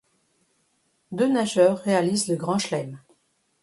Deux nageurs réalisent le grand chelem.